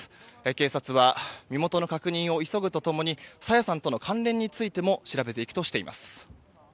警察は身元の確認を急ぐと共に朝芽さんとの関連についても調べていくとしています。